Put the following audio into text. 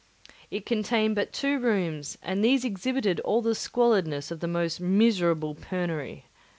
It contained but two rooms, and these exhibited all the squalidness of the most miserable penury.